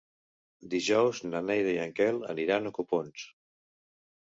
Dijous na Neida i en Quel aniran a Copons.